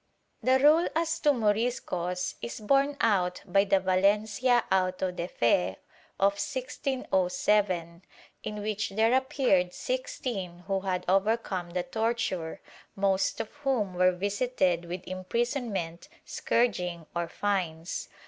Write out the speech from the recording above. The rule as to Moriscos is borne out by the Valencia auto de fe of 1607, in which there appeared sixteen who had overcome the torture, most of whom were visited with imprisonment, scourging or fines.